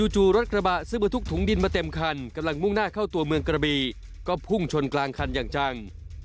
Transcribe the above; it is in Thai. จนถึงนี้แน่หรอกไม่มีที่หน่อยยาวคืน